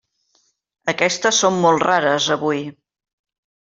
Aquestes són molt rares avui: